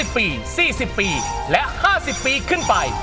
ปี๔๐ปีและ๕๐ปีขึ้นไป